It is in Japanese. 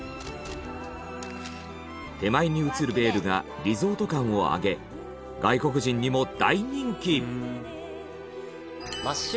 手前に写るベールがリゾート感を上げ外国人にも大人気！